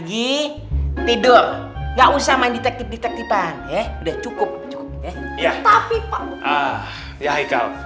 jangan sampai ketahuan